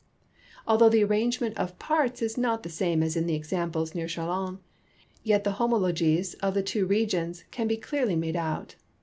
Although the arrangement of i)arts is not the same as in the examjde near Chalons, yet the homologies of the'tAVO regions can l>e clearly made out.